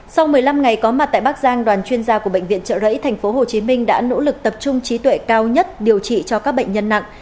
sau một mươi năm ngày có mặt tại bắc giang đoàn chuyên gia của bệnh viện trợ rẫy tp hcm đã nỗ lực tập trung trí tuệ cao nhất điều trị cho các bệnh nhân nặng